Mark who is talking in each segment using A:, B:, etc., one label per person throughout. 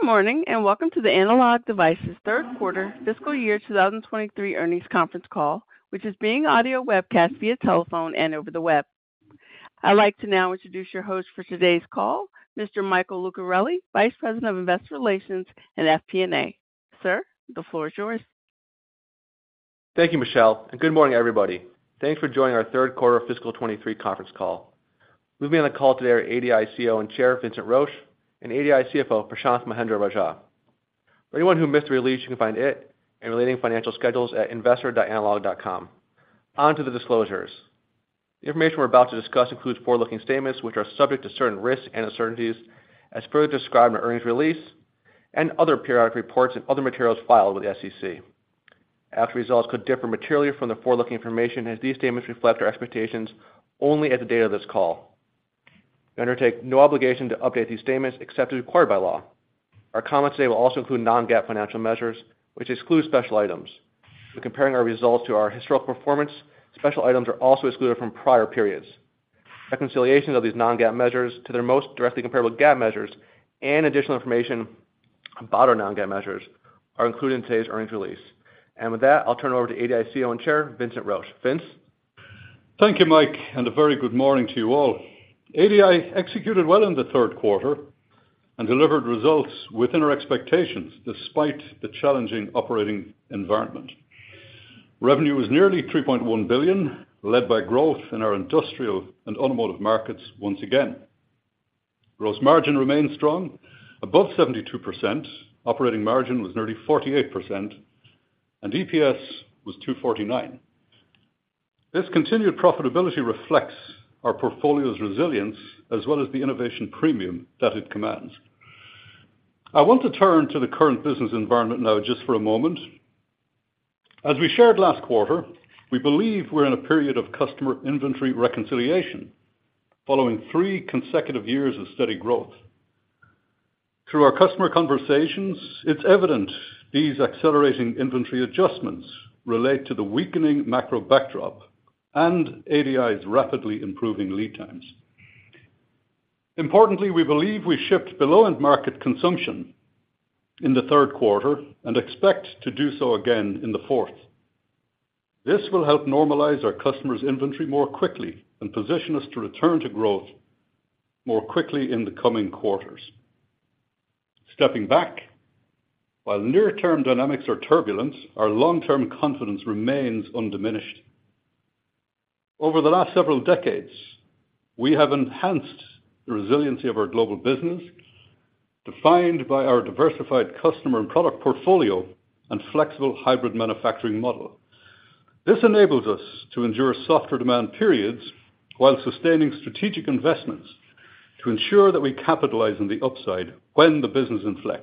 A: Good morning, welcome to the Analog Devices third quarter fiscal year 2023 earnings conference call, which is being audio webcast via telephone and over the web. I'd like to now introduce your host for today's call, Mr. Michael Lucarelli, Vice President of Investor Relations and FP&A. Sir, the floor is yours.
B: Thank you, Michelle. Good morning, everybody. Thanks for joining our third quarter fiscal 23 conference call. With me on the call today are ADI CEO and Chair, Vincent Roche, and ADI CFO, Prashanth Mahendra-Rajah. For anyone who missed the release, you can find it and relating financial schedules at investor.analog.com. On to the disclosures. The information we're about to discuss includes forward-looking statements, which are subject to certain risks and uncertainties as further described in our earnings release and other periodic reports and other materials filed with the SEC. Actual results could differ materially from the forward-looking information, as these statements reflect our expectations only at the date of this call. We undertake no obligation to update these statements except as required by law. Our comments today will also include non-GAAP financial measures, which exclude special items. When comparing our results to our historical performance, special items are also excluded from prior periods. Reconciliations of these non-GAAP measures to their most directly comparable GAAP measures and additional information about our non-GAAP measures are included in today's earnings release. With that, I'll turn it over to ADI CEO and Chair, Vincent Roche. Vince?
C: Thank you, Mike. A very good morning to you all. ADI executed well in the third quarter and delivered results within our expectations, despite the challenging operating environment. Revenue was nearly $3.1 billion, led by growth in our industrial and automotive markets once again. Gross margin remained strong, above 72%. Operating margin was nearly 48%, and EPS was $2.49. This continued profitability reflects our portfolio's resilience as well as the innovation premium that it commands. I want to turn to the current business environment now just for a moment. As we shared last quarter, we believe we're in a period of customer inventory reconciliation following 3 consecutive years of steady growth. Through our customer conversations, it's evident these accelerating inventory adjustments relate to the weakening macro backdrop and ADI's rapidly improving lead times. Importantly, we believe we shipped below end market consumption in the third quarter and expect to do so again in the fourth. This will help normalize our customers' inventory more quickly and position us to return to growth more quickly in the coming quarters. Stepping back, while near-term dynamics are turbulent, our long-term confidence remains undiminished. Over the last several decades, we have enhanced the resiliency of our global business, defined by our diversified customer and product portfolio and flexible hybrid manufacturing model. This enables us to endure softer demand periods while sustaining strategic investments to ensure that we capitalize on the upside when the business inflex.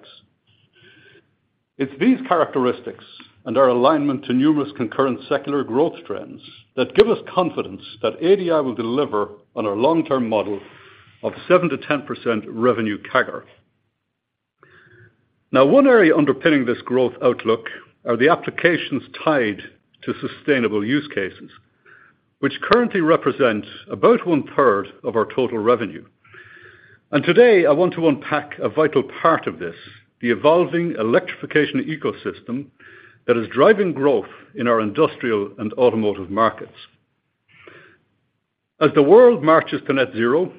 C: It's these characteristics and our alignment to numerous concurrent secular growth trends that give us confidence that ADI will deliver on our long-term model of 7%-10% revenue CAGR. One area underpinning this growth outlook are the applications tied to sustainable use cases, which currently represent about one-third of our total revenue. Today, I want to unpack a vital part of this, the evolving electrification ecosystem that is driving growth in our industrial and automotive markets. As the world marches to net zero,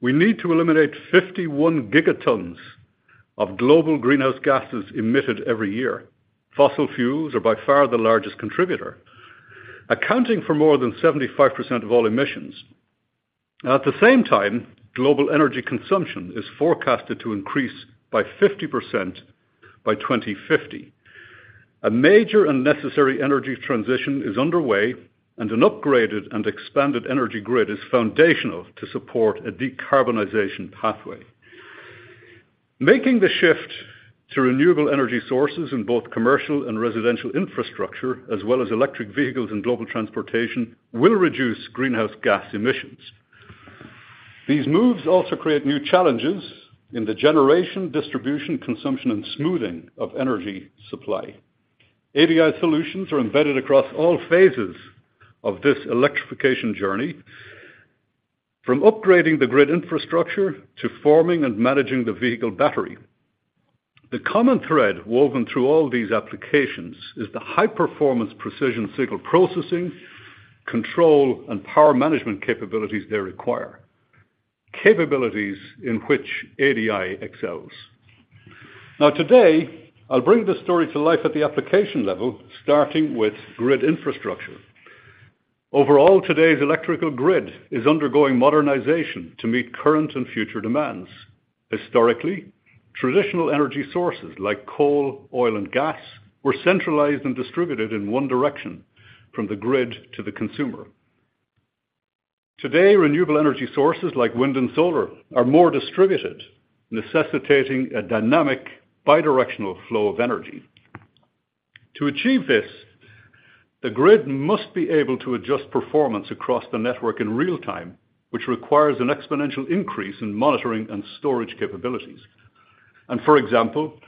C: we need to eliminate 51 gigatons of global greenhouse gases emitted every year. Fossil fuels are by far the largest contributor, accounting for more than 75% of all emissions. At the same time, global energy consumption is forecasted to increase by 50% by 2050. A major and necessary energy transition is underway, and an upgraded and expanded energy grid is foundational to support a decarbonization pathway. Making the shift to renewable energy sources in both commercial and residential infrastructure, as well as electric vehicles and global transportation, will reduce greenhouse gas emissions. These moves also create new challenges in the generation, distribution, consumption, and smoothing of energy supply. ADI solutions are embedded across all phases of this electrification journey, from upgrading the grid infrastructure to forming and managing the vehicle battery. The common thread woven through all these applications is the high-performance precision signal processing, control, and power management capabilities they require, capabilities in which ADI excels. Now, today, I'll bring this story to life at the application level, starting with grid infrastructure. Overall, today's electrical grid is undergoing modernization to meet current and future demands. Historically, traditional energy sources like coal, oil, and gas were centralized and distributed in one direction: from the grid to the consumer. Today, renewable energy sources like wind and solar are more distributed, necessitating a dynamic bidirectional flow of energy. To achieve this, the grid must be able to adjust performance across the network in real time, which requires an exponential increase in monitoring and storage capabilities. For example,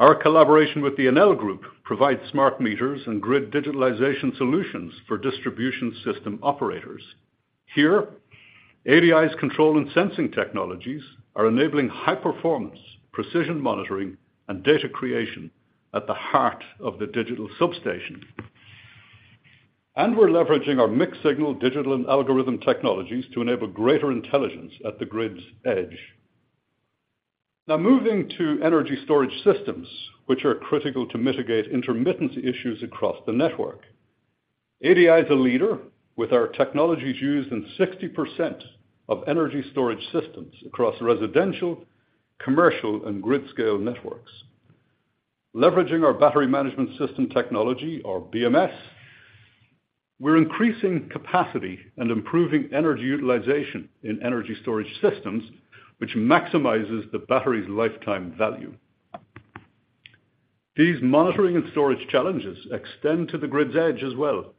C: our collaboration with the Enel Group provides smart meters and grid digitalization solutions for distribution system operators. ADI's control and sensing technologies are enabling high performance, precision monitoring, and data creation at the heart of the digital substation. We're leveraging our mixed signal, digital, and algorithm technologies to enable greater intelligence at the grid's edge. Moving to energy storage systems, which are critical to mitigate intermittency issues across the network. ADI is a leader with our technologies used in 60% of energy storage systems across residential, commercial, and grid-scale networks. Leveraging our battery management system technology, or BMS, we're increasing capacity and improving energy utilization in energy storage systems, which maximizes the battery's lifetime value. These monitoring and storage challenges extend to the grid's edge as well,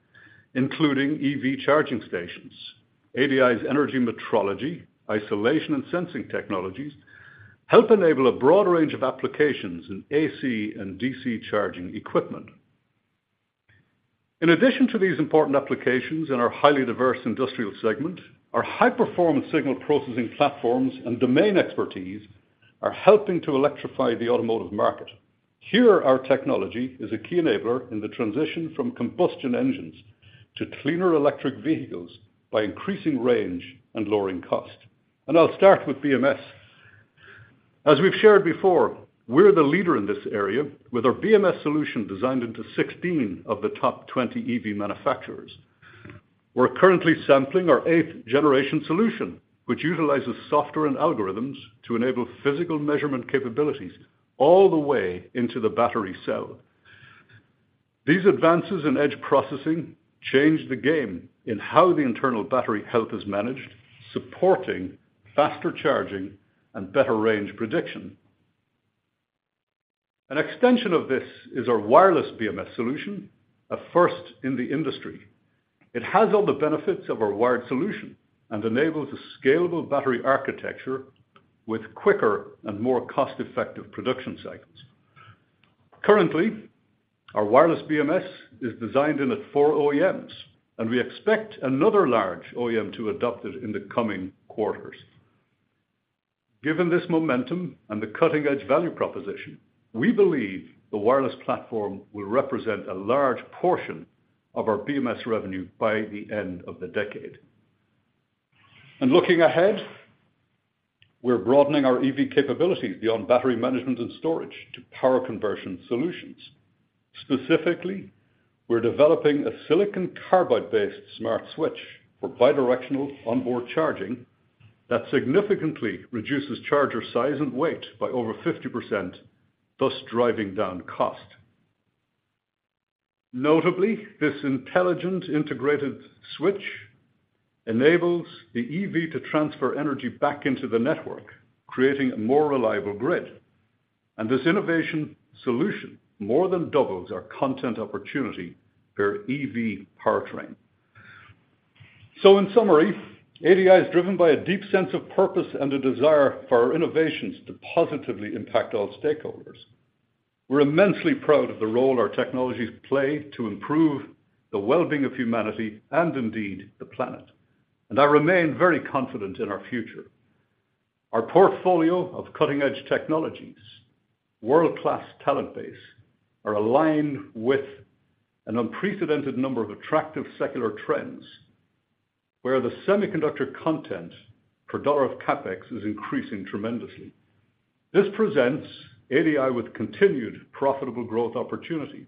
C: including EV charging stations. ADI's energy metrology, isolation and sensing technologies, help enable a broad range of applications in AC and DC charging equipment. In addition to these important applications in our highly diverse industrial segment, our high-performance signal processing platforms and domain expertise are helping to electrify the automotive market. Here, our technology is a key enabler in the transition from combustion engines to cleaner electric vehicles by increasing range and lowering cost. I'll start with BMS. As we've shared before, we're the leader in this area, with our BMS solution designed into 16 of the top 20 EV manufacturers. We're currently sampling our eighth generation solution, which utilizes software and algorithms to enable physical measurement capabilities all the way into the battery cell. These advances in edge processing change the game in how the internal battery health is managed, supporting faster charging and better range prediction. An extension of this is our Wireless BMS solution, a first in the industry. It has all the benefits of our wired solution and enables a scalable battery architecture with quicker and more cost-effective production cycles. Currently, our Wireless BMS is designed in at 4 OEMs, and we expect another large OEM to adopt it in the coming quarters. Given this momentum and the cutting-edge value proposition, we believe the wireless platform will represent a large portion of our BMS revenue by the end of the decade. Looking ahead, we're broadening our EV capabilities beyond battery management and storage to power conversion solutions. Specifically, we're developing a silicon carbide-based smart switch for bidirectional onboard charging that significantly reduces charger size and weight by over 50%, thus driving down cost. Notably, this intelligent integrated switch enables the EV to transfer energy back into the network, creating a more reliable grid. This innovation solution more than doubles our content opportunity per EV powertrain. In summary, ADI is driven by a deep sense of purpose and a desire for our innovations to positively impact all stakeholders. We're immensely proud of the role our technologies play to improve the well-being of humanity and indeed, the planet. I remain very confident in our future. Our portfolio of cutting-edge technologies, world-class talent base, are aligned with an unprecedented number of attractive secular trends, where the semiconductor content per dollar of CapEx is increasing tremendously. This presents ADI with continued profitable growth opportunities,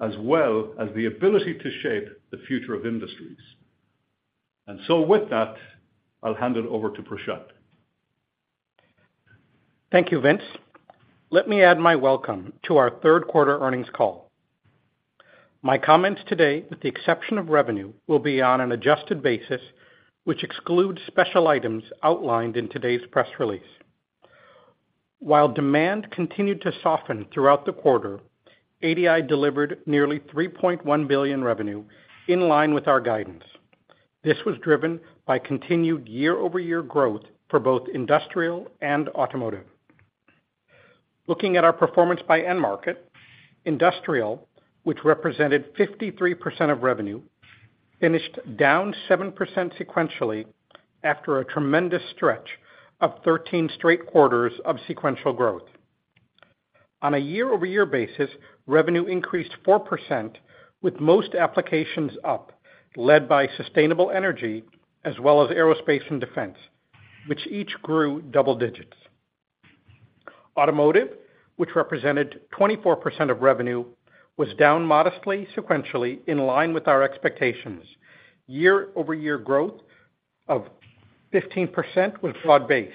C: as well as the ability to shape the future of industries. With that, I'll hand it over to Prashanth.
D: Thank you, Vince. Let me add my welcome to our third quarter earnings call. My comments today, with the exception of revenue, will be on an adjusted basis, which excludes special items outlined in today's press release. While demand continued to soften throughout the quarter, ADI delivered nearly $3.1 billion revenue, in line with our guidance. This was driven by continued year-over-year growth for both industrial and automotive. Looking at our performance by end market, industrial, which represented 53% of revenue, finished down 7% sequentially, after a tremendous stretch of 13 straight quarters of sequential growth. On a year-over-year basis, revenue increased 4%, with most applications up, led by sustainable energy, as well as aerospace and defense, which each grew double digits. Automotive, which represented 24% of revenue, was down modestly, sequentially, in line with our expectations. Year-over-year growth of 15% was broad-based.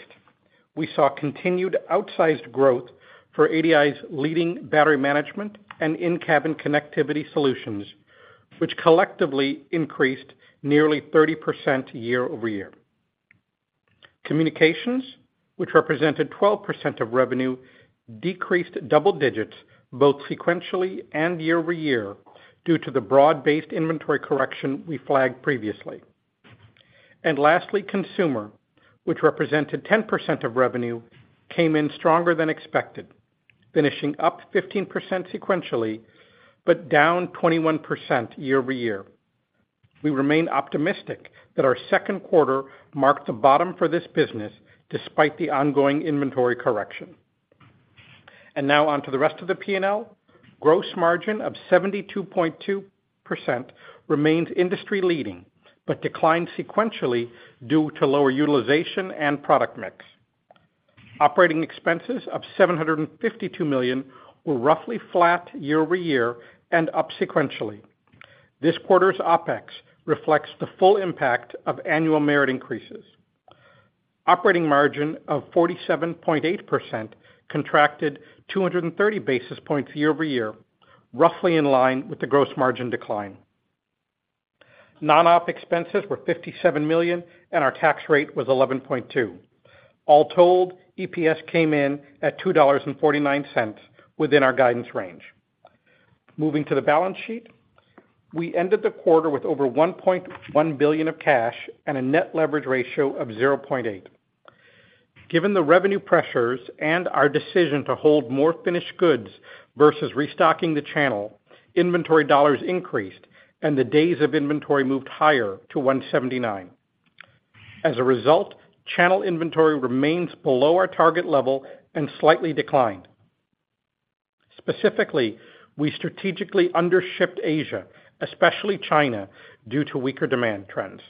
D: We saw continued outsized growth for ADI's leading battery management and in-cabin connectivity solutions, which collectively increased nearly 30% year-over-year. Communications, which represented 12% of revenue, decreased double digits, both sequentially and year-over-year, due to the broad-based inventory correction we flagged previously. Lastly, consumer, which represented 10% of revenue, came in stronger than expected. finishing up 15% sequentially, but down 21% year-over-year. We remain optimistic that our second quarter marked the bottom for this business, despite the ongoing inventory correction. Now on to the rest of the P&L. Gross margin of 72.2% remains industry leading, but declined sequentially due to lower utilization and product mix. Operating expenses of $752 million were roughly flat year-over-year and up sequentially. This quarter's OpEx reflects the full impact of annual merit increases. Operating margin of 47.8% contracted 230 basis points year-over-year, roughly in line with the gross margin decline. Non-OpEx expenses were $57 million. Our tax rate was 11.2%. All told, EPS came in at $2.49 within our guidance range. Moving to the balance sheet, we ended the quarter with over $1.1 billion of cash and a net leverage ratio of 0.8. Given the revenue pressures and our decision to hold more finished goods versus restocking the channel, inventory dollars increased, and the days of inventory moved higher to 179. As a result, channel inventory remains below our target level and slightly declined. Specifically, we strategically undershipped Asia, especially China, due to weaker demand trends.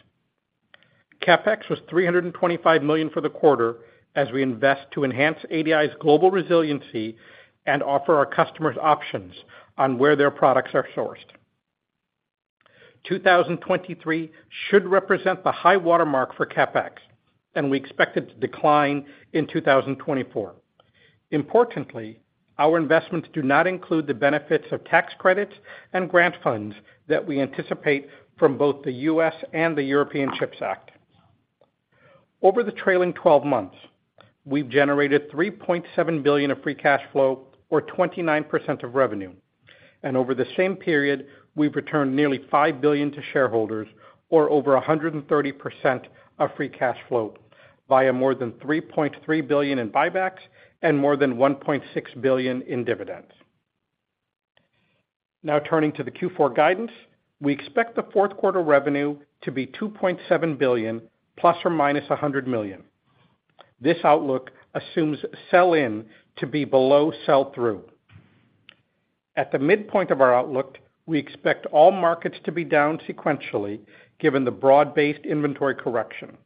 D: CapEx was $325 million for the quarter as we invest to enhance ADI's global resiliency and offer our customers options on where their products are sourced. 2023 should represent the high watermark for CapEx, and we expect it to decline in 2024. Importantly, our investments do not include the benefits of tax credits and grant funds that we anticipate from both the U.S. and the European Chips Act. Over the trailing 12 months, we've generated $3.7 billion of free cash flow, or 29% of revenue, and over the same period, we've returned nearly $5 billion to shareholders or over 130% of free cash flow via more than $3.3 billion in buybacks and more than $1.6 billion in dividends. Turning to the Q4 guidance, we expect the fourth quarter revenue to be $2.7 billion ± $100 million. This outlook assumes sell-in to be below sell-through. At the midpoint of our outlook, we expect all markets to be down sequentially, given the broad-based inventory correction.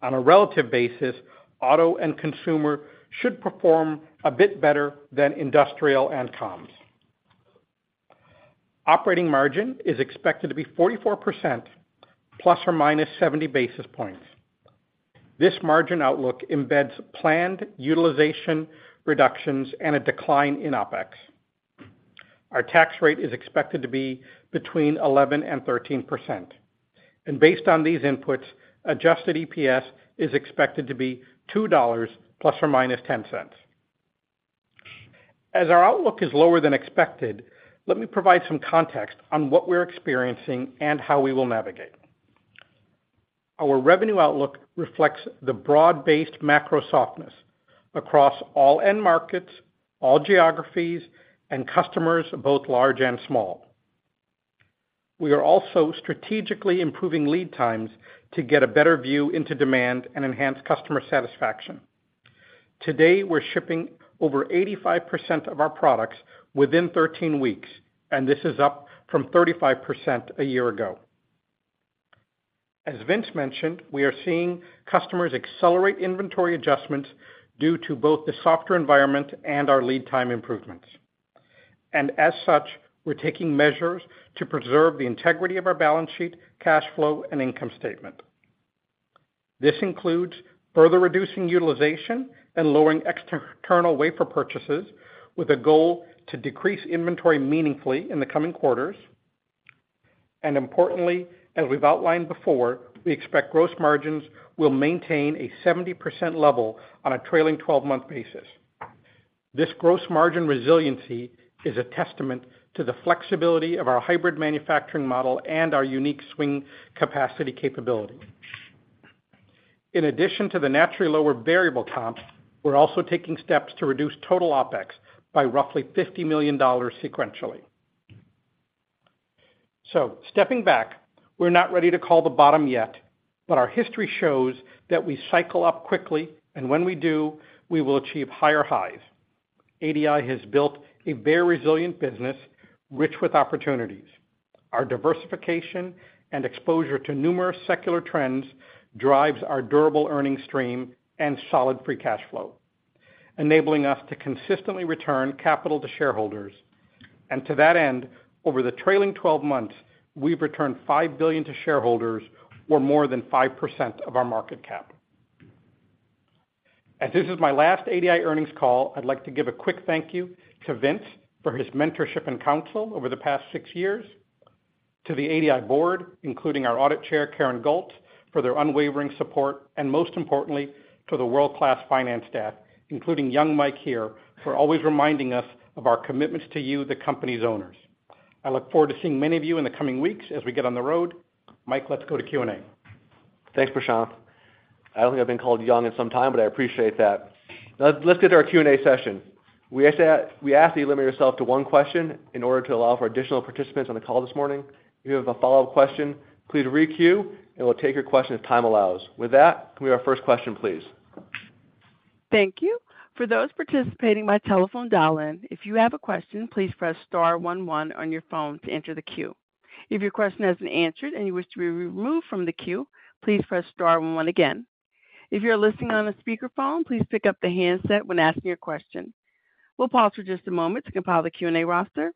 D: On a relative basis, auto and consumer should perform a bit better than industrial and comms. Operating margin is expected to be 44% ± 70 basis points. This margin outlook embeds planned utilization reductions and a decline in OpEx. Our tax rate is expected to be between 11%-13%, based on these inputs, adjusted EPS is expected to be $2 ± $0.10. As our outlook is lower than expected, let me provide some context on what we're experiencing and how we will navigate. Our revenue outlook reflects the broad-based macro softness across all end markets, all geographies, and customers, both large and small. We are also strategically improving lead times to get a better view into demand and enhance customer satisfaction. Today, we're shipping over 85% of our products within 13 weeks, this is up from 35% a year ago. As Vince mentioned, we are seeing customers accelerate inventory adjustments due to both the softer environment and our lead time improvements. As such, we're taking measures to preserve the integrity of our balance sheet, cash flow, and income statement. This includes further reducing utilization and lowering external wafer purchases, with a goal to decrease inventory meaningfully in the coming quarters. Importantly, as we've outlined before, we expect gross margins will maintain a 70% level on a trailing twelve-month basis. This gross margin resiliency is a testament to the flexibility of our hybrid manufacturing model and our unique swing capacity capability. In addition to the naturally lower variable comps, we're also taking steps to reduce total OpEx by roughly $50 million sequentially. Stepping back, we're not ready to call the bottom yet, but our history shows that we cycle up quickly, and when we do, we will achieve higher highs. ADI has built a very resilient business, rich with opportunities. Our diversification and exposure to numerous secular trends drives our durable earnings stream and solid free cash flow, enabling us to consistently return capital to shareholders. To that end, over the trailing 12 months, we've returned $5 billion to shareholders, or more than 5% of our market cap. As this is my last ADI earnings call, I'd like to give a quick thank you to Vince for his mentorship and counsel over the past six years, to the ADI board, including our audit chair, Karen Golz, for their unwavering support, and most importantly, to the world-class finance staff, including young Mike here, for always reminding us of our commitments to you, the company's owners. I look forward to seeing many of you in the coming weeks as we get on the road. Mike, let's go to Q&A. Thanks, Prashanth. I don't think I've been called young in some time, but I appreciate that. Now, let's get to our Q&A session. We ask that you limit yourself to one question in order to allow for additional participants on the call this morning. If you have a follow-up question, please re-queue, and we'll take your question as time allows. With that, can we have our first question, please?
A: Thank you. For those participating by telephone dial-in, if you have a question, please press star 11 on your phone to enter the queue. If your question has been answered and you wish to be removed from the queue, please press star 11 again. If you're listening on a speakerphone, please pick up the handset when asking your question. We'll pause for just a moment to compile the Q&A roster.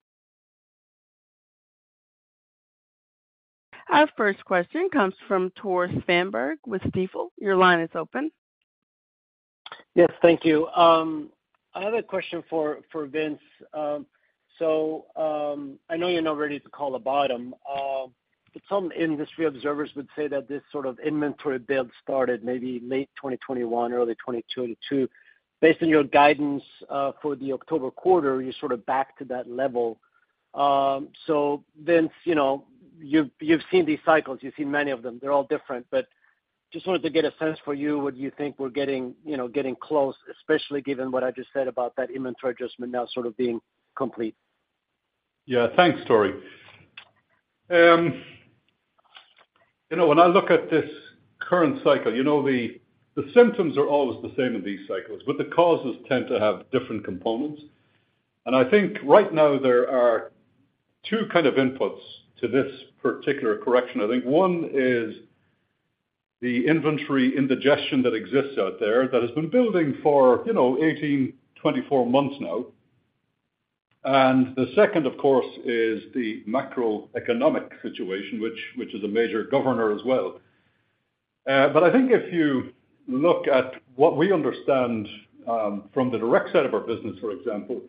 A: Our first question comes from Tore Svanberg with Stifel. Your line is open.
E: Yes, thank you. I have a question for, for Vince. I know you're not ready to call a bottom, but some industry observers would say that this sort of inventory build started maybe late 2021, early 2022, 2022. Based on your guidance, for the October quarter, you're sort of back to that level. Vince, you know, you've, you've seen these cycles, you've seen many of them, they're all different. Just wanted to get a sense for you, would you think we're getting, you know, getting close, especially given what I just said about that inventory adjustment now sort of being complete?
C: Yeah. Thanks, Tor. You know, when I look at this current cycle, you know, the, the symptoms are always the same in these cycles, but the causes tend to have different components. I think right now there are two kind of inputs to this particular correction. I think one is the inventory indigestion that exists out there, that has been building for, you know, 18, 24 months now. The second, of course, is the macroeconomic situation, which, which is a major governor as well. I think if you look at what we understand from the direct side of our business, for example,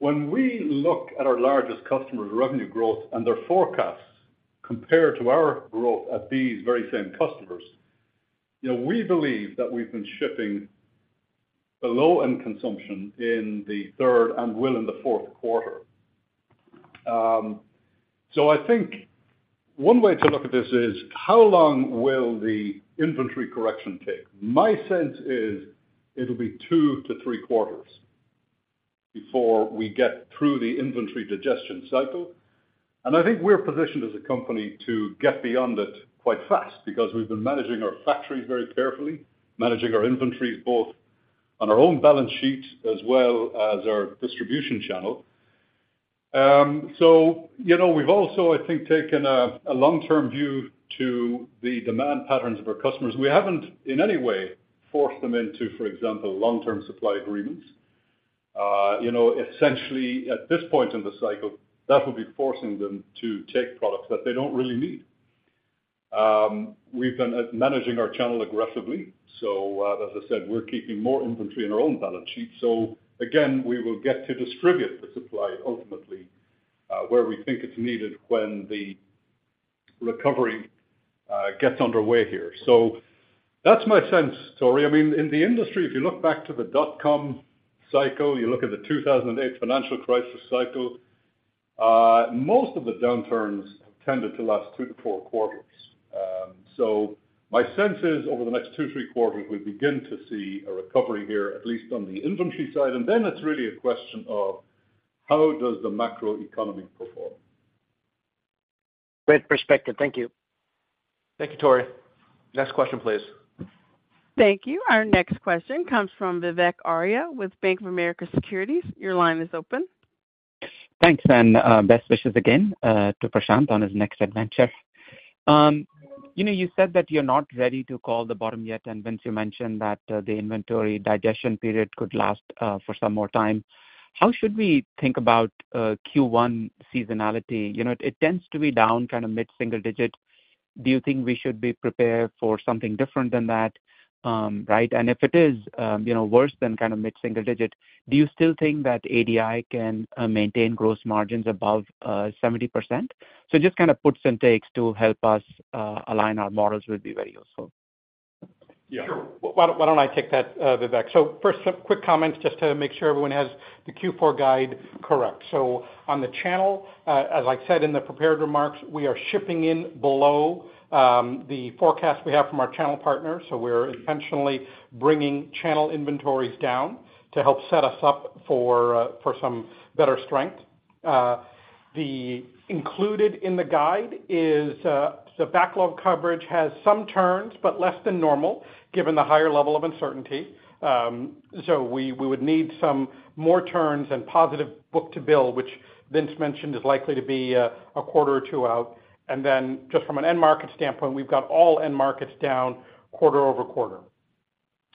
C: when we look at our largest customers' revenue growth and their forecasts compared to our growth at these very same customers, you know, we believe that we've been shipping below end consumption in the third and will in the fourth quarter. I think one way to look at this is: how long will the inventory correction take? My sense is it'll be 2 to 3 quarters before we get through the inventory digestion cycle. I think we're positioned as a company to get beyond it quite fast because we've been managing our factories very carefully, managing our inventories, both on our own balance sheet as well as our distribution channel. You know, we've also, I think, taken a long-term view to the demand patterns of our customers. We haven't, in any way, forced them into, for example, long-term supply agreements. You know, essentially, at this point in the cycle, that would be forcing them to take products that they don't really need. We've been managing our channel aggressively, as I said, we're keeping more inventory on our own balance sheet. Again, we will get to distribute the supply ultimately, where we think it's needed when the recovery gets underway here. That's my sense, Tor. I mean, in the industry, if you look back to the dot-com cycle, you look at the 2008 financial crisis cycle, most of the downturns have tended to last two to four quarters. My sense is, over the next two, three quarters, we begin to see a recovery here, at least on the inventory side. Then it's really a question of: How does the macroeconomy perform?
E: Great perspective. Thank you.
D: Thank you, Tor. Next question, please.
A: Thank you. Our next question comes from Vivek Arya with Bank of America Securities. Your line is open.
F: Thanks, and best wishes again to Prashanthh on his next adventure. You know, you said that you're not ready to call the bottom yet, and Vince, you mentioned that the inventory digestion period could last for some more time. How should we think about Q1 seasonality? You know, it tends to be down kind of mid-single digit. Do you think we should be prepared for something different than that, right? If it is, you know, worse than kind of mid-single digit, do you still think that ADI can maintain gross margins above 70%? Just kind of puts and takes to help us align our models would be very useful.
C: Yeah.
D: Sure. Why, why don't I take that, Vivek? First, some quick comments just to make sure everyone has the Q4 guide correct. On the channel, as I said in the prepared remarks, we are shipping in below the forecast we have from our channel partners, so we're intentionally bringing channel inventories down to help set us up for some better strength. The included in the guide is the backlog coverage has some turns, but less than normal, given the higher level of uncertainty. We would need some more turns and positive book-to-bill, which Vince mentioned is likely to be a quarter or two out. Just from an end market standpoint, we've got all end markets down quarter-over-quarter.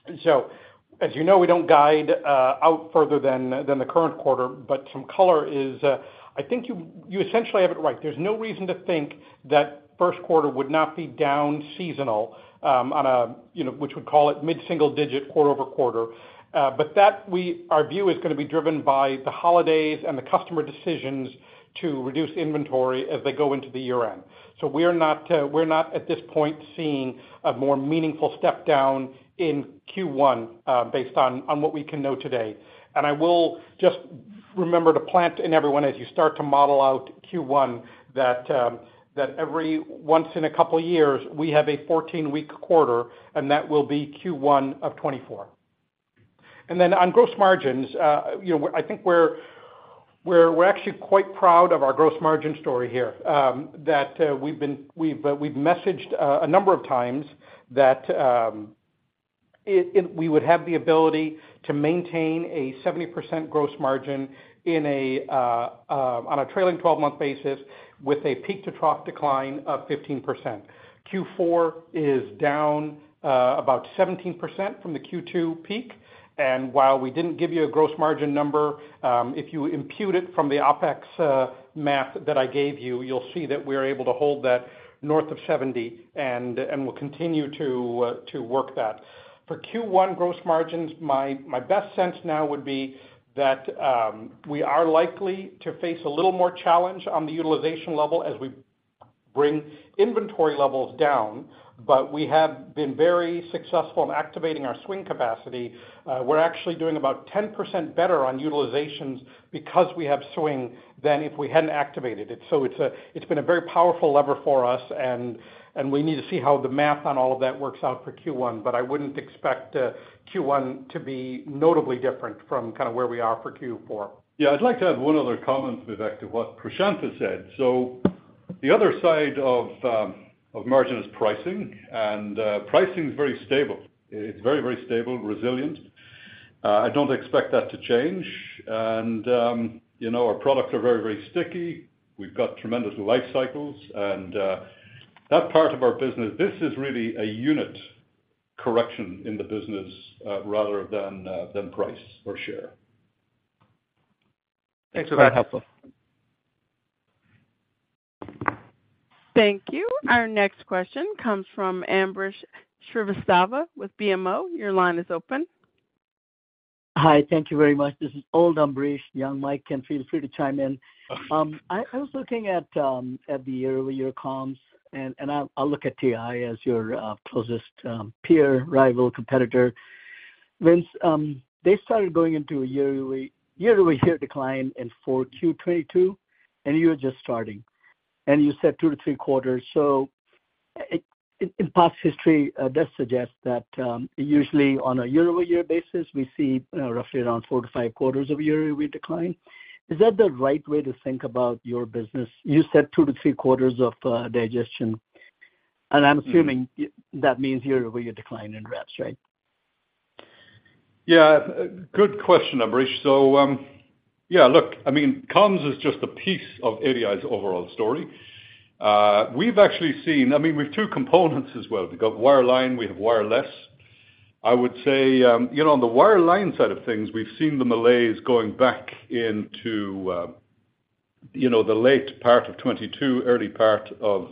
D: As you know, we don't guide out further than, than the current quarter, but some color is, I think you, you essentially have it right. There's no reason to think that first quarter would not be down seasonal, on a, you know, which we call it mid-single digit quarter-over-quarter. That our view is gonna be driven by the holidays and the customer decisions to reduce inventory as they go into the year-end. We're not, we're not, at this point, seeing a more meaningful step down in Q1, based on, on what we can know today. I will remember to plant in everyone as you start to model out Q1, that every once in a couple of years, we have a 14-week quarter, and that will be Q1 of 2024. Then on gross margins, you know, I think we're, we're, we're actually quite proud of our gross margin story here. That we've been-- we've messaged a number of times that it, it, we would have the ability to maintain a 70% gross margin in a on a trailing twelve-month basis with a peak-to-trough decline of 15%. Q4 is down about 17% from the Q2 peak, and while we didn't give you a gross margin number, if you impute it from the OpEx math that I gave you, you'll see that we're able to hold that north of 70, and, and we'll continue to work that. For Q1 gross margins, my best sense now would be that we are likely to face a little more challenge on the utilization level as we bring inventory levels down. We have been very successful in activating our swing capacity. We're actually doing about 10% better on utilizations because we have swing than if we hadn't activated it. It's a, it's been a very powerful lever for us, and we need to see how the math on all of that works out for Q1, but I wouldn't expect Q1 to be notably different from kind of where we are for Q4.
C: Yeah, I'd like to add one other comment with back to what Prashanthh has said. The other side of margin is pricing, and pricing is very stable. It's very, very stable, resilient. I don't expect that to change. You know, our products are very, very sticky. We've got tremendous life cycles and that part of our business, this is really a unit correction in the business, rather than price or share.
F: Thanks for that. Very helpful.
A: Thank you. Our next question comes from Ambrish Srivastava with BMO. Your line is open.
G: Hi, thank you very much. This is old Ambrish, young Mike, and feel free to chime in. I, I was looking at, at the year-over-year comms, and, and I'll, I'll look at TI as your closest peer, rival, competitor. Vince, they started going into a year-over-year decline in 4Q22, and you were just starting, and you said 2-3 quarters. It, in past history, does suggest that usually on a year-over-year basis, we see roughly around 4-5 quarters of year-over-year decline. Is that the right way to think about your business? You said 2-3 quarters of digestion, and I'm assuming that means year-over-year decline in reps, right?
C: Yeah, good question, Ambrish. Yeah, look, I mean, comms is just a piece of ADI's overall story. We've actually seen-- I mean, we've two components as well. We've got wireline, we have wireless. I would say, you know, on the wireline side of things, we've seen the malaise going back into, you know, the late part of 2022, early part of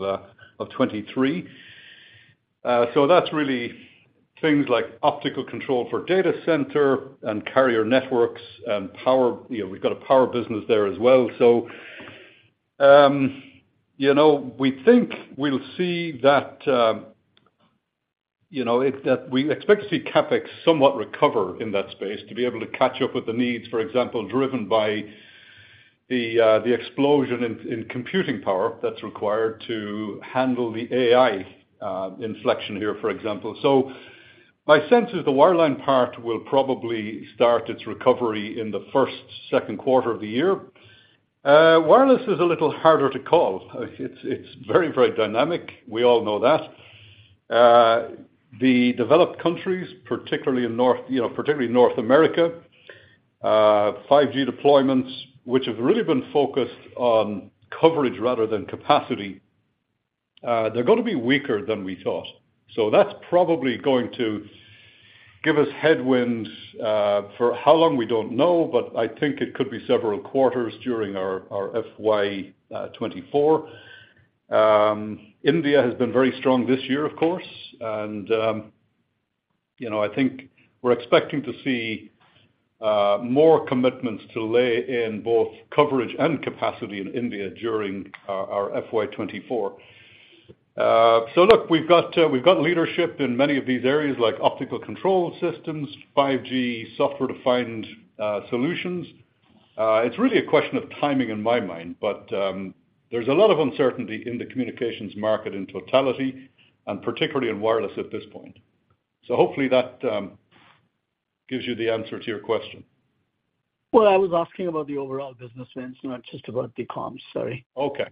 C: 2023. That's really things like optical control for data center and carrier networks and power. You know, we've got a power business there as well. You know, we think we'll see that, you know, that we expect to see CapEx somewhat recover in that space, to be able to catch up with the needs, for example, driven by the explosion in, in computing power that's required to handle the AI inflection here, for example. My sense is the wireline part will probably start its recovery in the 1st, 2nd quarter of the year. Wireless is a little harder to call. It's, it's very, very dynamic. We all know that. The developed countries, particularly in North, you know, particularly North America, 5G deployments, which have really been focused on coverage rather than capacity, they're gonna be weaker than we thought. That's probably going to give us headwinds for how long, we don't know, but I think it could be several quarters during our FY 2024. India has been very strong this year, of course, and, you know, I think we're expecting to see more commitments to lay in both coverage and capacity in India during our FY 2024. Look, we've got leadership in many of these areas, like optical control systems, 5G software-defined solutions. It's really a question of timing in my mind, but there's a lot of uncertainty in the communications market in totality, and particularly in wireless at this point. Hopefully that gives you the answer to your question.
G: Well, I was asking about the overall business, Vince, not just about the comms, sorry.
C: Okay.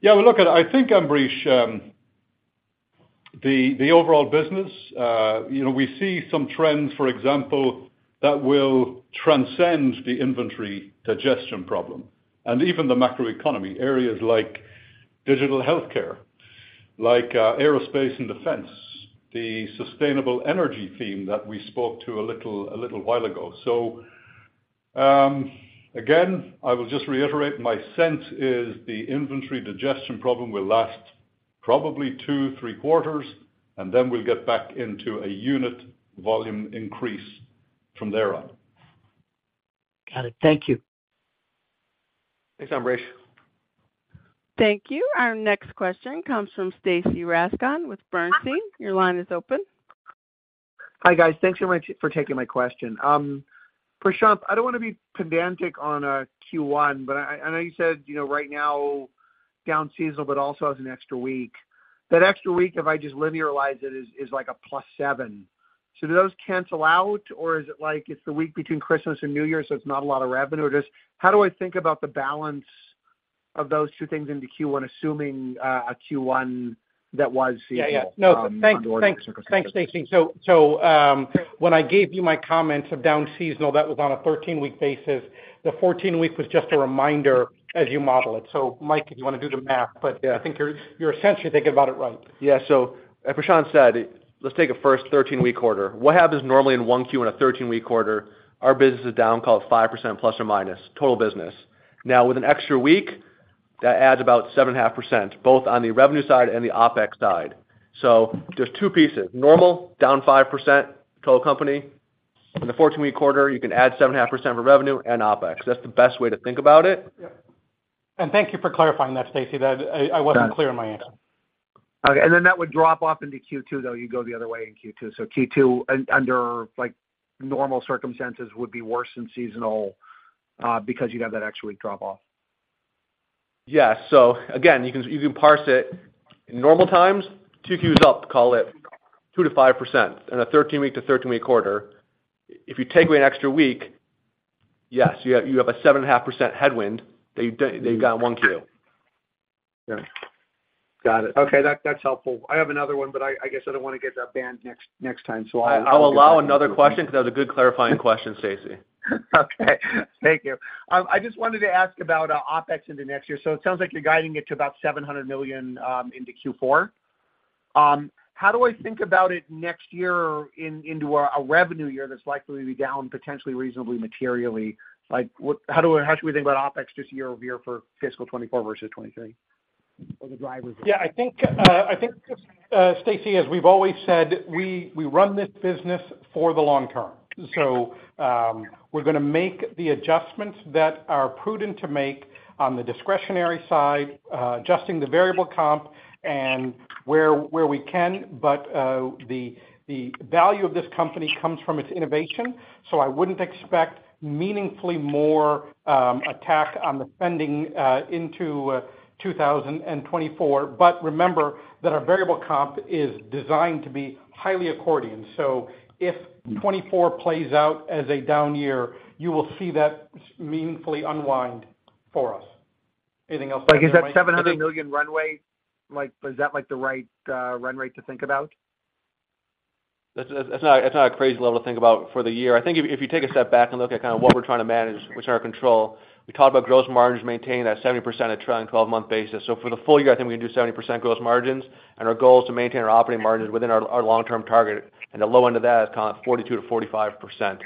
C: Yeah, well, look, I think, Ambrish, you know, we see some trends, for example, that will transcend the inventory digestion problem and even the macroeconomy. Areas like digital healthcare, like aerospace and defense, the sustainable energy theme that we spoke to a little, a little while ago. Again, I will just reiterate, my sense is the inventory digestion problem will last probably 2-3 quarters, and then we'll get back into a unit volume increase from there on.
G: Got it. Thank you.
B: Thanks, Ambrish.
C: Thank you. Our next question comes from Stacy Rasgon with Bernstein. Your line is open.
H: Hi, guys. Thanks so much for taking my question. Prashanth, I don't want to be pedantic on Q1, but I, I know you said, you know, right now, down seasonal, but also has an extra week. That extra week, if I just linearize it, is, is like a plus 7. Do those cancel out, or is it like it's the week between Christmas and New Year, so it's not a lot of revenue? Just how do I think about the balance of those two things into Q1, assuming a Q1 that was seasonal?
D: Yeah, yeah. No, thanks. Thanks. Thanks, Stacy. When I gave you my comments of down seasonal, that was on a 13-week basis. The 14-week was just a reminder as you model it. Mike, if you wanna do the math, but...
B: Yeah.
D: I think you're, you're essentially thinking about it right.
B: As Prashanth said, let's take a first 13-week quarter. What happens normally in 1Q in a 13-week quarter, our business is down, call it 5% ±, total business. With an extra week, that adds about 7.5%, both on the revenue side and the OpEx side. There's two pieces: normal, down 5%, total company. In the 14-week quarter, you can add 7.5% for revenue and OpEx. That's the best way to think about it.
D: Yep. Thank you for clarifying that, Stacy. That I, I wasn't clear in my answer.
H: Okay. That would drop off into Q2, though, you go the other way in Q2. Q2, under, like, normal circumstances, would be worse than seasonal, because you have that extra week drop-off.
B: Yeah. Again, you can, you can parse it. In normal times, 2 Qs up, call it 2%-5% in a 13-week to 13-week quarter. If you take away an extra week, yes, you have, you have a 7.5% headwind that you've got 1 Q.
H: Got it. Okay, that, that's helpful. I have another one, but I, I guess I don't want to get that banned next, next time, so I'll-
B: I'll allow another question because that was a good clarifying question, Stacy.
H: Okay. Thank you. I just wanted to ask about OpEx into next year. It sounds like you're guiding it to about $700 million into Q4. How do I think about it next year into a revenue year that's likely to be down potentially reasonably materially? Like, how should we think about OpEx just year-over-year for fiscal 2024 versus 2023, or the drivers?
D: Yeah, I think, I think, Stacy, as we've always said, we, we run this business for the long term. We're gonna make the adjustments that are prudent to make on the discretionary side, adjusting the variable comp and where, where we can. The, the value of this company comes from its innovation, so I wouldn't expect meaningfully more attack on the spending into 2024. Remember that our variable comp is designed to be highly accordion. If 2024 plays out as a down year, you will see that meaningfully unwind for us. Anything else?
H: Like, is that $700 million runway? Like, is that, like, the right run rate to think about?
B: That's, that's not, that's not a crazy level to think about for the year. I think if, if you take a step back and look at kinda what we're trying to manage, which is our control, we talked about gross margins maintaining that 70% a trailing twelve-month basis. For the full year, I think we can do 70% gross margins, and our goal is to maintain our operating margins within our, our long-term target, and the low end of that is kind of 42%-45%.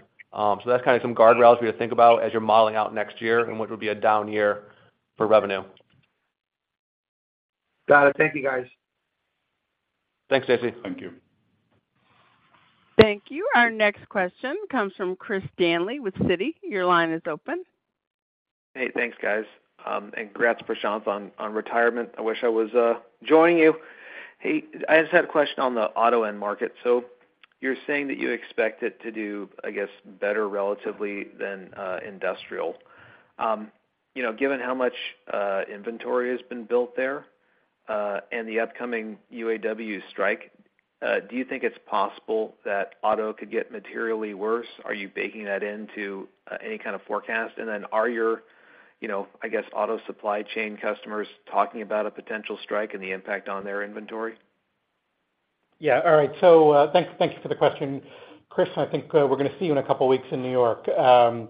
B: That's kinda some guardrails for you to think about as you're modeling out next year, and which will be a down year for revenue.
H: Got it. Thank you, guys.
B: Thanks, Stacy.
C: Thank you.
A: Thank you. Our next question comes from Chris Danely with Citi. Your line is open.
I: Hey, thanks, guys, and congrats, Prashanth, on, on retirement. I wish I was joining you. Hey, I just had a question on the auto end market. You're saying that you expect it to do, I guess, better relatively than industrial. You know, given how much inventory has been built there, and the upcoming UAW strike, do you think it's possible that auto could get materially worse? Are you baking that into any kind of forecast? Are your, you know, I guess, auto supply chain customers talking about a potential strike and the impact on their inventory?
D: Yeah. All right. Thanks, thank you for the question. Chris, I think, we're gonna see you in a couple of weeks in New York. On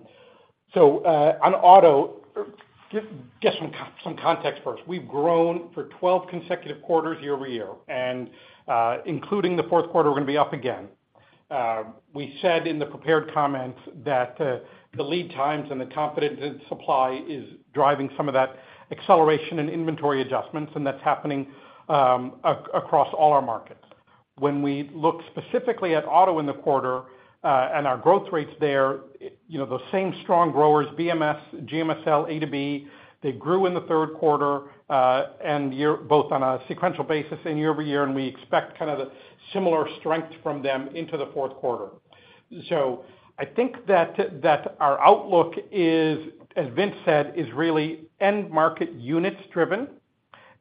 D: auto, just, just some, some context first. We've grown for 12 consecutive quarters year-over-year, and, including the fourth quarter, we're gonna be up again. We said in the prepared comments that the lead times and the confidence in supply is driving some of that acceleration and inventory adjustments, and that's happening across all our markets. When we look specifically at auto in the quarter, and our growth rates there, you know, those same strong growers, BMS, GMSL, A2B, they grew in the third quarter, both on a sequential basis and year-over-year, and we expect kind of the similar strength from them into the fourth quarter. I think that, that our outlook is, as Vince said, is really end market units driven,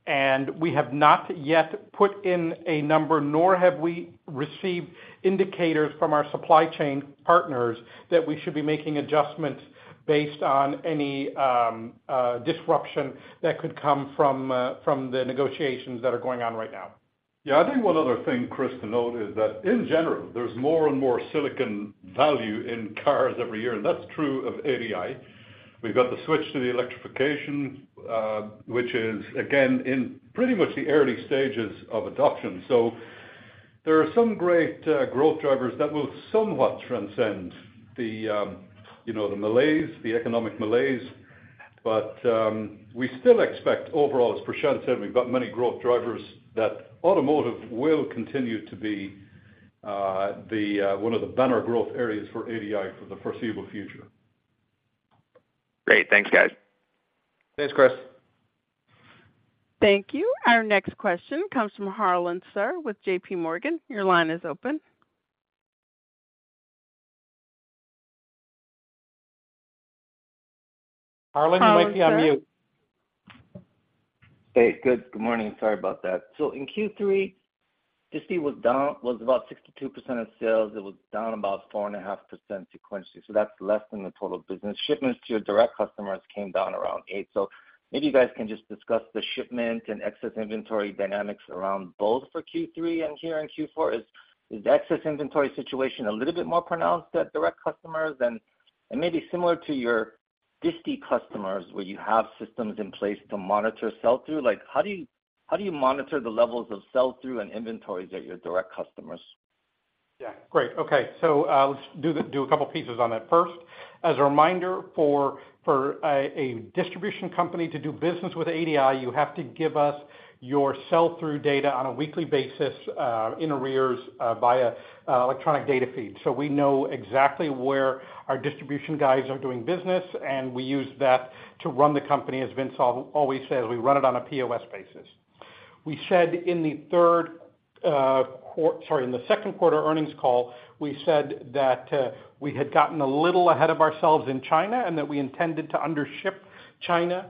D: and we have not yet put in a number, nor have we received indicators from our supply chain partners, that we should be making adjustments based on any disruption that could come from the negotiations that are going on right now.
C: Yeah, I think one other thing, Chris, to note is that in general, there's more and more silicon value in cars every year, and that's true of ADI. We've got the switch to the electrification, which is again, in pretty much the early stages of adoption. There are some great, growth drivers that will somewhat transcend the, you know, the malaise, the economic malaise. We still expect overall, as Prashanthh said, we've got many growth drivers, that automotive will continue to be-... the, one of the better growth areas for ADI for the foreseeable future.
I: Great. Thanks, guys.
C: Thanks, Chris.
A: Thank you. Our next question comes from Harlan Sur with JPMorgan. Your line is open.
D: Harlan, you might be on mute.
J: Hey, good. Good morning. Sorry about that. In Q3, disti was down, was about 62% of sales. It was down about 4.5% sequentially, so that's less than the total business. Shipments to your direct customers came down around 8. Maybe you guys can just discuss the shipment and excess inventory dynamics around both for Q3 and here in Q4. Is the excess inventory situation a little bit more pronounced at direct customers? Maybe similar to your disti customers, where you have systems in place to monitor sell-through, like, how do you, how do you monitor the levels of sell-through and inventories at your direct customers?
D: Yeah, great. Okay. Let's do a couple pieces on that. First, as a reminder, for a distribution company to do business with ADI, you have to give us your sell-through data on a weekly basis, in arrears, via electronic data feed. We know exactly where our distribution guys are doing business, and we use that to run the company. As Vince always says, we run it on a POS basis. We said in the third, sorry, in the second quarter earnings call, we said that we had gotten a little ahead of ourselves in China, and that we intended to undership China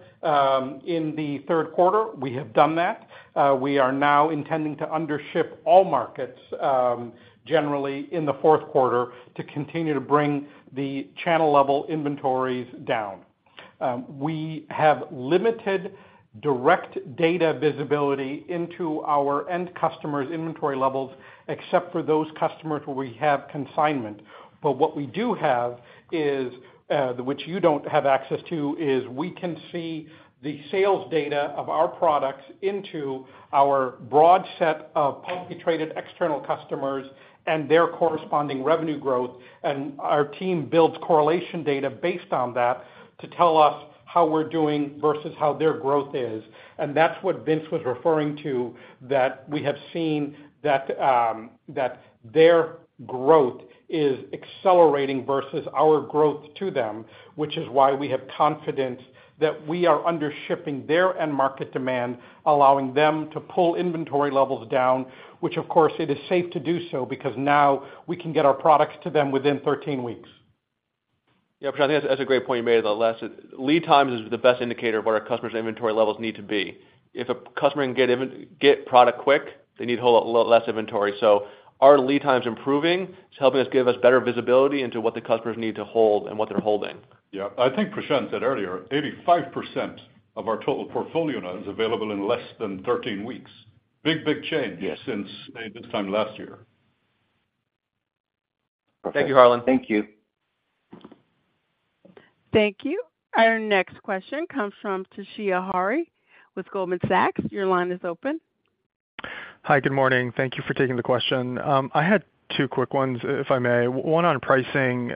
D: in the third quarter. We have done that. We are now intending to undership all markets, generally in the fourth quarter, to continue to bring the channel-level inventories down. We have limited direct data visibility into our end customers' inventory levels, except for those customers where we have consignment. What we do have is, which you don't have access to, is we can see the sales data of our products into our broad set of publicly traded external customers and their corresponding revenue growth, and our team builds correlation data based on that to tell us how we're doing versus how their growth is. That's what Vince was referring to, that we have seen that their growth is accelerating versus our growth to them, which is why we have confidence that we are undershipping their end market demand, allowing them to pull inventory levels down. Of course, it is safe to do so because now we can get our products to them within 13 weeks.
B: Yeah, Prashanth, that's a great point you made, the less Lead times is the best indicator of what our customers' inventory levels need to be. If a customer can get get product quick, they need a whole lot less inventory. Our lead time's improving. It's helping us give us better visibility into what the customers need to hold and what they're holding.
C: Yeah. I think Prashanth said earlier, 85% of our total portfolio now is available in less than 13 weeks. Big, big change, Yes, since this time last year.
B: Thank you, Harlan.
J: Thank you.
A: Thank you. Our next question comes from Toshiya Hari with Goldman Sachs. Your line is open.
K: Hi, good morning. Thank Thank you for taking the question. I had 2 quick ones, if I may. One on pricing.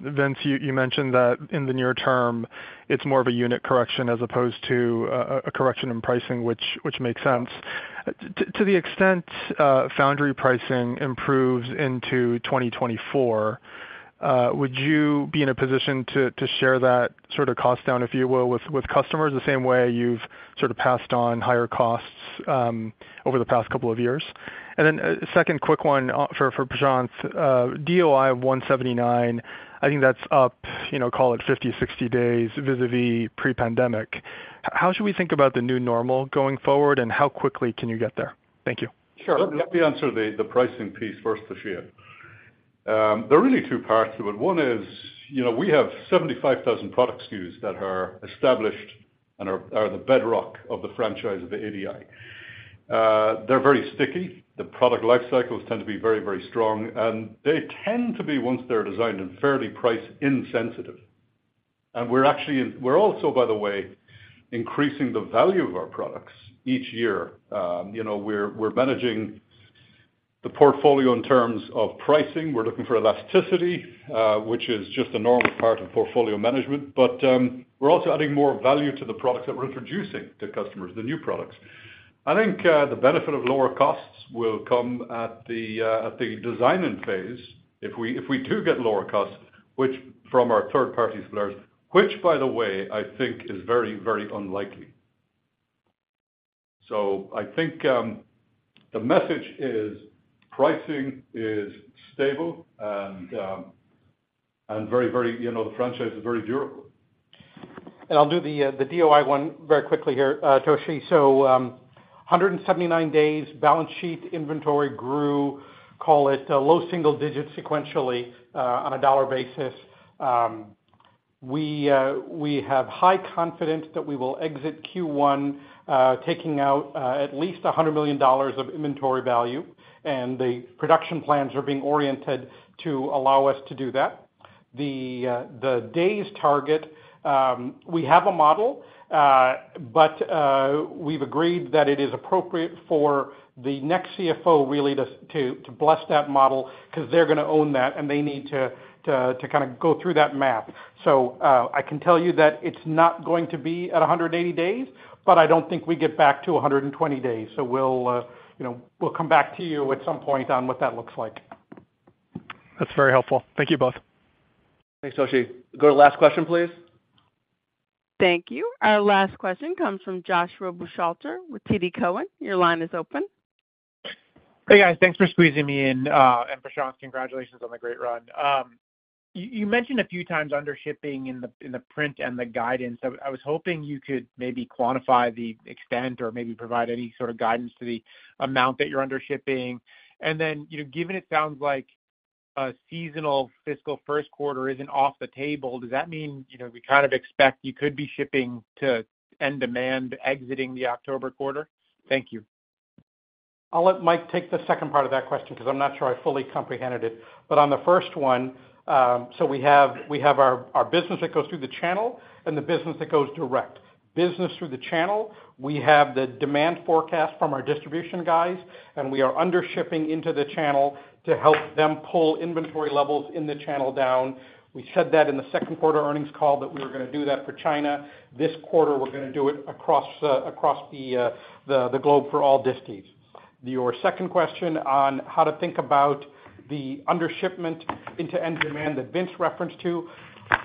K: Vince, you mentioned that in the near term, it's more of a unit correction as opposed to a correction in pricing, which makes sense. To the extent foundry pricing improves into 2024, would you be in a position to share that sort of cost down, if you will, with customers, the same way you've sort of passed on higher costs over the past couple of years? 2nd quick one for Prashanth. DOI of 179, I think that's up, you know, call it 50, 60 days, vis-a-vis pre-pandemic. How should we think about the new normal going forward, and how quickly can you get there? Thank you.
C: Sure. Let me answer the, the pricing piece first, Toshiya. There are really two parts to it. One is, you know, we have 75,000 product SKUs that are established and are, are the bedrock of the franchise of the ADI. They're very sticky. The product life cycles tend to be very, very strong, and they tend to be, once they're designed, and fairly price insensitive. And we're actually in- we're also, by the way, increasing the value of our products each year. You know, we're, we're managing the portfolio in terms of pricing. We're looking for elasticity, which is just a normal part of portfolio management, but we're also adding more value to the products that we're introducing to customers, the new products. I think the benefit of lower costs will come at the design-in phase if we, if we do get lower costs, which from our third-party suppliers, which, by the way, I think is very, very unlikely. I think the message is pricing is stable and very, very. You know, the franchise is very durable.
D: I'll do the DOI one very quickly here, Toshi. 179 days, balance sheet inventory grew, call it low single digits sequentially, on a dollar basis. We have high confidence that we will exit Q1, taking out at least $100 million of inventory value, and the production plans are being oriented to allow us to do that. The days target, we have a model, but we've agreed that it is appropriate for the next CFO really to, to, to bless that model, 'cause they're gonna own that, and they need to, to, to kind of go through that math. I can tell you that it's not going to be at 180 days, but I don't think we get back to 120 days. We'll, you know, we'll come back to you at some point on what that looks like.
K: That's very helpful. Thank you both.
B: Thanks, Toshi. Go to the last question, please.
A: Thank you. Our last question comes from Joshua Buchalter with TD Cowen. Your line is open.
L: Hey, guys. Thanks for squeezing me in, and Prashanthh, congratulations on the great run. You, you mentioned a few times under shipping in the, in the print and the guidance. I, I was hoping you could maybe quantify the extent or maybe provide any sort of guidance to the amount that you're under shipping. Then, you know, given it sounds like a seasonal fiscal first quarter isn't off the table, does that mean, you know, we kind of expect you could be shipping to end demand exiting the October quarter? Thank you.
D: I'll let Mike take the second part of that question because I'm not sure I fully comprehended it. On the first one, so we have, we have our, our business that goes through the channel and the business that goes direct. Business through the channel, we have the demand forecast from our distribution guys, and we are under shipping into the channel to help them pull inventory levels in the channel down. We said that in the second quarter earnings call that we were gonna do that for China. This quarter, we're gonna do it across, across the, the, the globe for all distis. Your second question on how to think about the under shipment into end demand that Vince referenced to,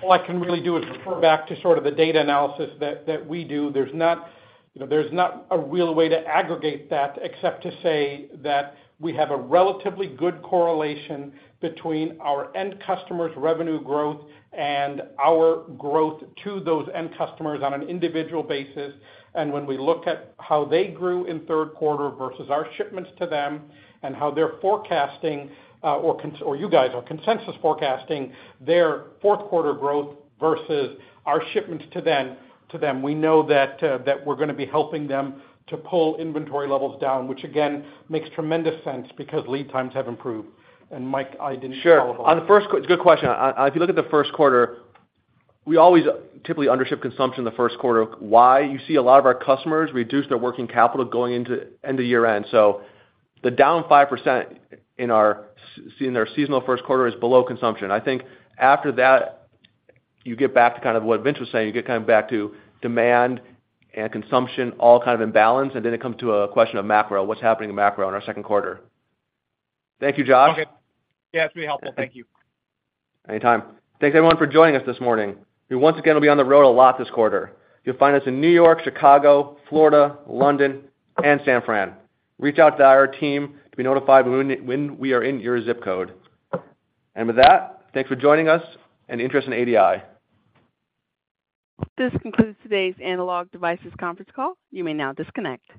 D: all I can really do is refer back to sort of the data analysis that, that we do. There's not, you know, there's not a real way to aggregate that, except to say that we have a relatively good correlation between our end customers' revenue growth and our growth to those end customers on an individual basis. When we look at how they grew in third quarter versus our shipments to them and how they're forecasting, or cons- or you guys are consensus forecasting their fourth quarter growth versus our shipments to them, to them, we know that we're gonna be helping them to pull inventory levels down, which again, makes tremendous sense because lead times have improved. Mike, I didn't follow up.
B: Sure. On the first. Good question. If you look at the first quarter, we always typically under ship consumption in the first quarter. Why? You see a lot of our customers reduce their working capital going into end of year-end. The down 5% in our seasonal first quarter is below consumption. I think after that, you get back to kind of what Vince was saying. You get kind of back to demand and consumption, all kind of in balance, and then it comes to a question of macro. What's happening in macro in our second quarter? Thank you, Josh.
L: Okay. Yeah, it's pretty helpful. Thank you.
B: Anytime. Thanks, everyone, for joining us this morning. We once again will be on the road a lot this quarter. You'll find us in New York, Chicago, Florida, London, and San Fran. Reach out to our team to be notified when we are in your zip code. With that, thanks for joining us and interest in ADI.
A: This concludes today's Analog Devices conference call. You may now disconnect.